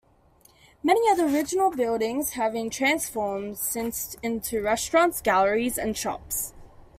Many of the original buildings have been transformed since into restaurants, galleries and shops.